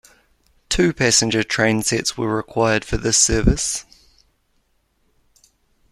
Two passenger train sets were required for this service.